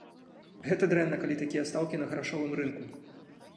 Гэта дрэнна, калі такія стаўкі на грашовым рынку.